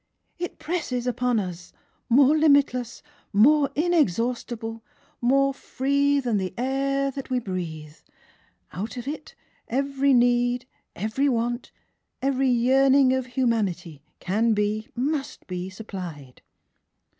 " It presses upon us, more limitless, more inexhaustible, more free than the air that we breathe i Out of it every need, every want, every yearning of human ity can be, must be, supplied.